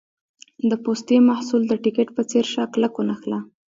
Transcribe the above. د پوستي محصول د ټیکټ په څېر شه کلک ونښله.